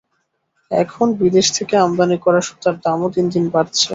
এখন বিদেশ থেকে আমদানি করা সুতার দামও দিন দিন বাড়ছে।